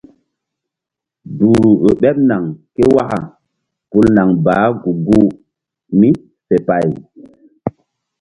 Duhru ƴo ɓeɓ naŋ ké waka pul naŋ baah gu-guh mí fe pay.